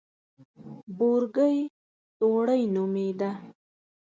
بورګۍ توړۍ نومېده.